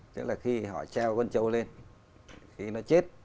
chứ là khi họ treo con trâu lên khi nó chết